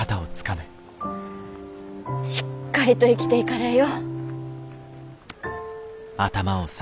しっかりと生きていかれえよ。